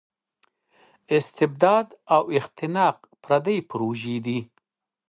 استبداد او اختناق پردۍ پروژې دي.